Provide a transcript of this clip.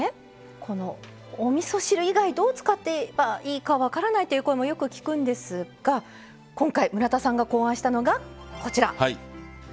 このおみそ汁以外どう使っていいか分からないという声もよく聞くんですが今回村田さんが考案したのがこちら！